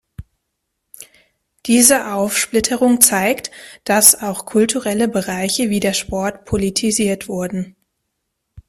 Diese Aufsplitterung zeigt, dass auch kulturelle Bereiche, wie der Sport, politisiert wurden.